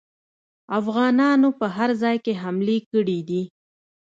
افغانانو په هر ځای کې حملې کړي دي.